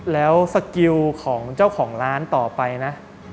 แล้วสกิลของเจ้าของร้านต่อไปนะ